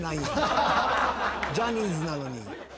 ジャニーズなのに。